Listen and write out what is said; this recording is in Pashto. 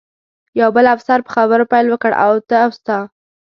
یو بل افسر په خبرو پیل وکړ، ته او ستا.